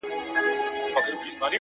هره ورځ د ښه اغېز فرصت لري!